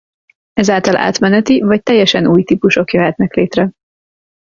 Ezáltal átmeneti vagy teljesen új típusok jöhetnek létre.